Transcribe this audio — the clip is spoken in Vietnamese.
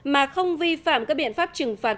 mà không vi phạm các biện pháp trừng phạt